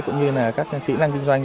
cũng như là các kỹ năng kinh doanh